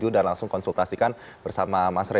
dan langsung konsultasikan bersama mas ray